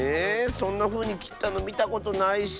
そんなふうにきったのみたことないし。